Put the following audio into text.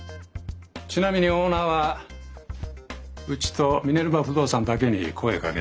ちなみにオーナーはうちとミネルヴァ不動産だけに声をかけたらしい。